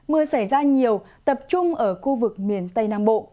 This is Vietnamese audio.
mưa xảy ra nhiều tập trung ở khu vực miền tây nam bộ